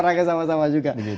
orangnya sama sama juga